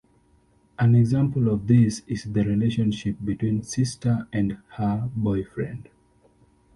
An example of this is the relationship between Sister and her boyfriend.